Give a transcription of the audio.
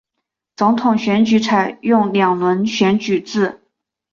总统选举采用两轮选举制。